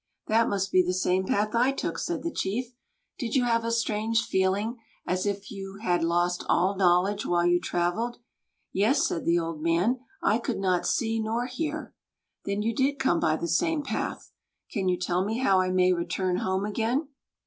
"That must be the same path I took," said the chief. "Did you have a strange feeling, as if you had lost all knowledge, while you travelled?" "Yes," said the old man; "I could not see nor hear." "Then you did come by the same path. Can you tell me how I may return home again?"